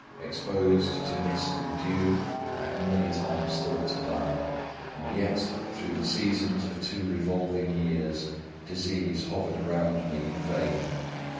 Exposed to mist and dew, I had many times thought to die; and yet, through the seasons of two revolving years, disease hovered around me in vain.